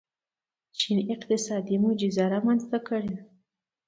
چین اقتصادي معجزه رامنځته کړې.